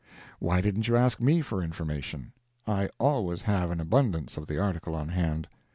Why didn't you ask me for information? I always have an abundance of the article on hand.